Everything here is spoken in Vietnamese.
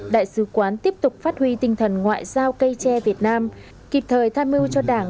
đại sứ quán tiếp tục phát huy tinh thần ngoại giao cây tre việt nam kịp thời tham mưu cho đảng